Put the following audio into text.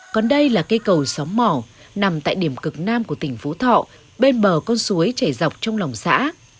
còn đây là cây cầu xóm mỏ nằm tại điểm cực nam của tỉnh phú thọ bên bờ con suối chảy dọc trong lòng xã